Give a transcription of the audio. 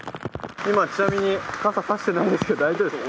今、ちなみに傘差してないですけど、大丈夫ですか。